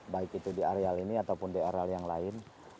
baik itu di areal ini ataupun di areal yang lain